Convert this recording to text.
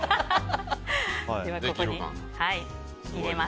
ここに入れます。